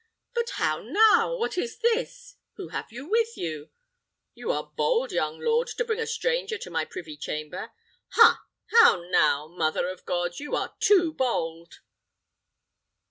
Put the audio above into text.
But, how now! What is this? Who have you with you? You are bold, young lord, to bring a stranger to my privy chamber! Ha! how now! Mother of God, you are too bold!"